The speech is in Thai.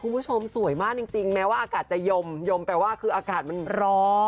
คุณผู้ชมสวยมากจริงแม้ว่าอากาศจะยมยมแปลว่าคืออากาศมันร้อน